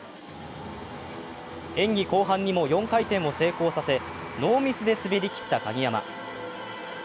演技後半にも４回転を成功させノーミスで滑りきった鍵山。